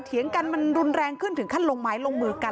เถียงกันมันรุนแรงขึ้นถึงขั้นลงไม้ลงมือกัน